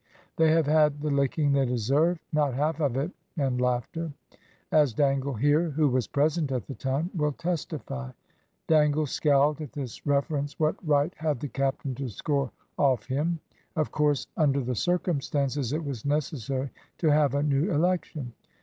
"They have had the licking they deserve," ("Not half of it!" and laughter), "as Dangle here, who was present at the time, will testify." (Dangle scowled at this reference What right had the captain to score off him?). "Of course under the circumstances it was necessary to have a new election.